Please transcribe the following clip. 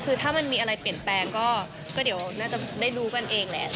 คือถ้ามันมีอะไรเปลี่ยนแปลงก็เดี๋ยวน่าจะได้รู้กันเองแหละ